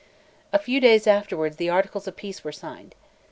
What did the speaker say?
A few days afterwards the articles of peace were signed.